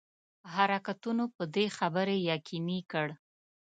حرکتونو په دې خبري یقیني کړ.